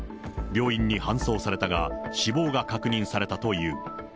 病院に搬送されたが、死亡が確認されたという。